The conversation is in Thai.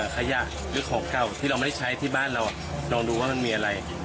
ขยะหรือของเก่าที่เราไม่ได้ใช้ที่บ้านเราลองดูว่ามันมีอะไร